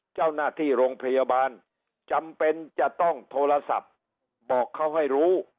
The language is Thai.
เจ้าหน้าที่โรงพยาบาลจำเป็นจะต้องโทรศัพท์บอกเขาให้รู้